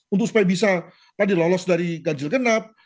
untuk supaya bisa tadi lolos dari ganjil genap